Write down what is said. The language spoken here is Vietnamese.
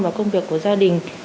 và công việc của gia đình